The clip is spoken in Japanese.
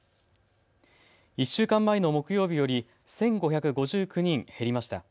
１週間前の木曜日より１５５９人減りました。